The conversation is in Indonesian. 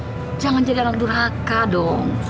ayo jangan jadi anak durhaka dong